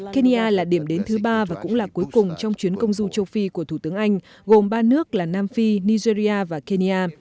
kenya là điểm đến thứ ba và cũng là cuối cùng trong chuyến công du châu phi của thủ tướng anh gồm ba nước là nam phi nigeria và kenya